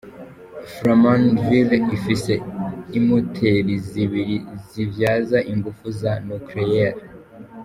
Flamanville ifise imoteri zibiri zivyaza inguvu za "nucleaire".